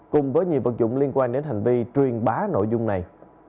cùng với nhiều vật dụng liên quan đến hành vi truyền bá nội dung này